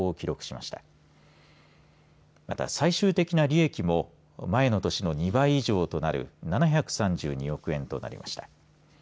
また、最終的な利益も前の年の２倍以上となる７３２億円となりました。